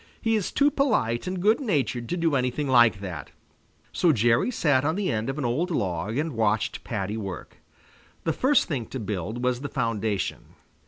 He is too polite and good natured to do anything like that. So Jerry sat on the end of an old log and watched Paddy work. The first thing to build was the foundation.